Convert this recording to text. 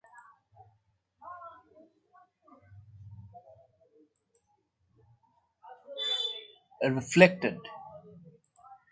The incident wave then has interference with the reflected one.